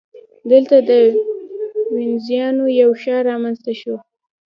دلته د وینزیانو یو ښار رامنځته شو